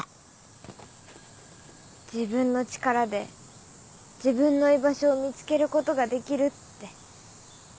自分の力で自分の居場所を見つけることができるって。